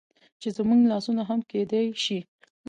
چې زموږ لاسونه هم کيدى شي